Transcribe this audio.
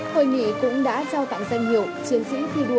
hội nghị cũng đã trao tặng danh hiệu